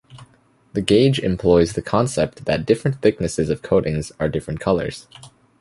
The gauge employs the concept that different thicknesses of coatings are different colors.